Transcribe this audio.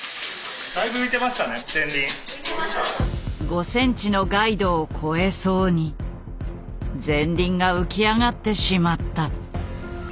５ｃｍのガイドを越えそうに前輪が浮き上がってしまった。